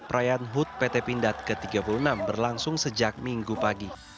perayaan hut pt pindad ke tiga puluh enam berlangsung sejak minggu pagi